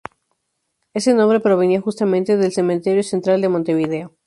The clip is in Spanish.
Ese nombre provenía justamente del Cementerio Central de Montevideo.